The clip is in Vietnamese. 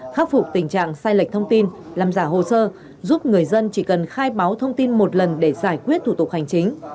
khắc phục tình trạng sai lệch thông tin làm giả hồ sơ giúp người dân chỉ cần khai báo thông tin một lần để giải quyết thủ tục hành chính